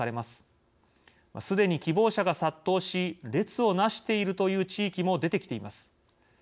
すでに希望者が殺到し列をなしているという地域も出てきています。